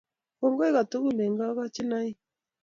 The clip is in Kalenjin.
Kongoi tugul eng Kokochinoik